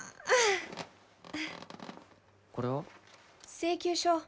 請求書。